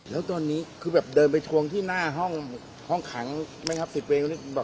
แล้วตอนนี้คือแบบเดินไปทวงที่หน้าห้องขังไหมครับ๑๐เวงตรงนี้